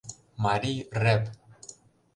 МАРИЙ РЭП